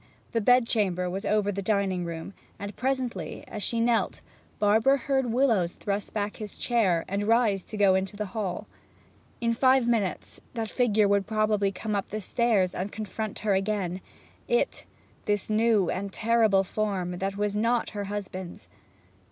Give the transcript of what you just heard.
The bed chamber was over the dining room, and presently as she knelt Barbara heard Willowes thrust back his chair, and rise to go into the hall. In five minutes that figure would probably come up the stairs and confront her again; it, this new and terrible form, that was not her husband's.